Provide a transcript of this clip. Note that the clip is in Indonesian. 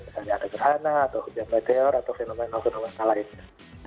misalnya ada kerana atau hujan meteor atau fenomena fenomena yang lain